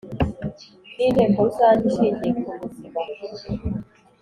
n Inteko Rusange ishingiye kubuzima